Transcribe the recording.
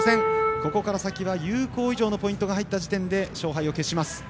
ここから先は有効以上のポイントが入った時点で勝敗を決します。